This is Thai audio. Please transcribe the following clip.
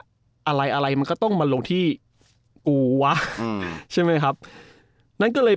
อะไรอะไรมันก็ต้องมาลงที่กูวะอืมใช่ไหมครับนั่นก็เลย